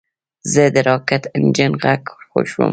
زه د راکټ انجن غږ خوښوم.